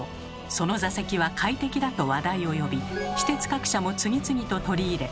その座席は快適だと話題を呼び私鉄各社も次々と取り入れ